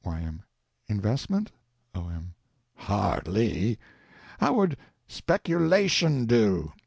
Y.M. Investment? O.M. Hardly. How would speculation do?